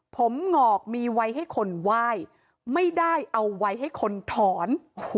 ผมหงอกมีไว้ให้คนไหว้ไม่ได้เอาไว้ให้คนถอน